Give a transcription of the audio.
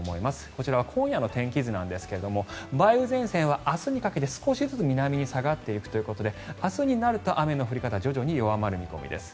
こちらは今夜の天気図ですが梅雨前線は明日にかけて少しずつ南に下がっていくということで明日になると雨の降り方徐々に弱まる見込みです。